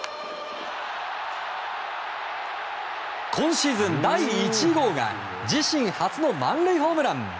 今シーズン第１号が自身初の満塁ホームラン！